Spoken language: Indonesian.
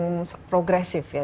penyakit yang progresif ya